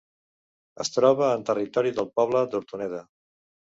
Es troba en territori del poble d'Hortoneda.